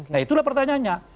nah itulah pertanyaannya